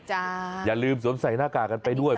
จ้าอันนี้สำคัญอย่าลืมสวนใส่หน้ากากกันไปด้วย